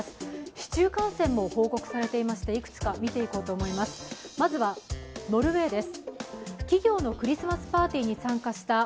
市中感染も報告されていましていくつか見ていこうと思います。